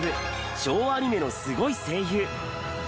昭和アニメのスゴい声優。